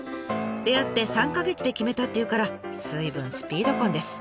出会って３か月で決めたっていうから随分スピード婚です。